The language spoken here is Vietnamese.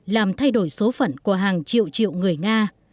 làm thay đổi số phận của hàng triệu triệu người nga